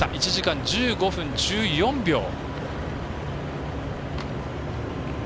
１時間１５分１４秒。